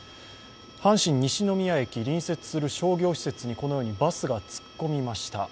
阪神西宮駅、隣接する商業施設にこのようにバスが突っ込みました。